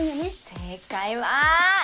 正解は２！